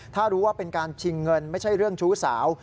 ถ้ารู้ว่าเป็นการชิงเงินไม่ใช่เรื่องชู้สาว